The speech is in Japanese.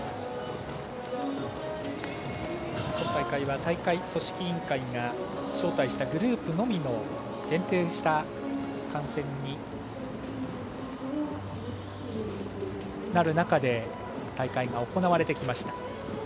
今大会は大会組織委員会が招待したグループのみの限定した観戦になる中で大会が行われてきました。